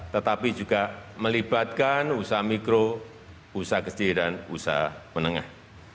tetapi juga melibatkan usaha mikro usaha kecil dan usaha menengah